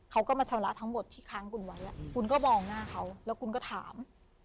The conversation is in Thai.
เขาก็มาชำระทั้งหมดที่ค้างคุณไว้คุณก็มองหน้าเขาแล้วคุณก็ถาม